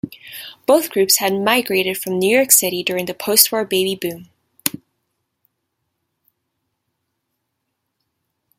Both groups had migrated from New York City during the post-war "baby boom".